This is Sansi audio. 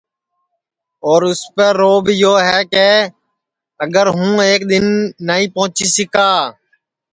اور اُسپے روب یو ہے کہ اگر ہوں ایک دؔن نائی پونچی سِکا